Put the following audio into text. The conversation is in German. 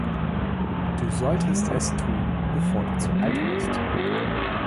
Du solltest es tun, bevor du zu alt wirst.